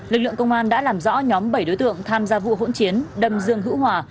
lực lượng công an đã làm rõ nhóm bảy đối tượng tham gia vụ hỗn chiến đâm dương hữu hòa